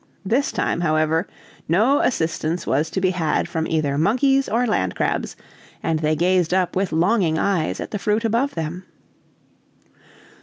This time, however, no assistance was to be had from either monkeys or land crabs, and they gazed up with longing eyes at the fruit above them.